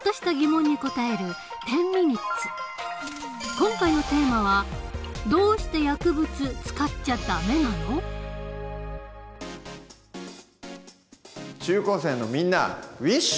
今回のテーマは中高生のみんなウィッシュ！